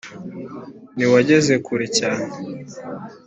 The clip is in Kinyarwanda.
ntiwageze kure cyane